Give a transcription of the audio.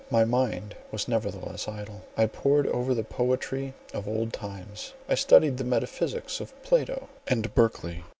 My mind was nevertheless idle. I pored over the poetry of old times; I studied the metaphysics of Plato and Berkeley.